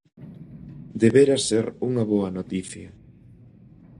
Debera ser unha boa noticia.